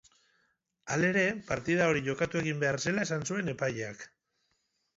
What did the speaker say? Halere, partida hori jokatu egin behar zela esan zuen epaileak.